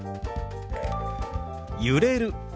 「揺れる」。